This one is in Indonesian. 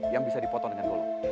yang bisa dipotong dengan bulog